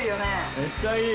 めっちゃいい！